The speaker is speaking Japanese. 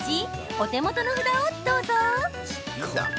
お手元の札をどうぞ。